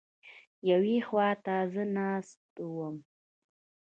یوې خوا ته زه ناست وم.